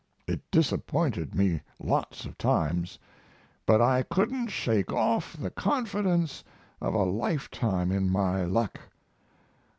It disappointed me lots of times, but I couldn't shake off the confidence of a lifetime in my luck.